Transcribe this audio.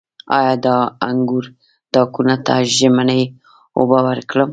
آیا د انګورو تاکونو ته ژمنۍ اوبه ورکړم؟